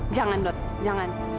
jangan dodi jangan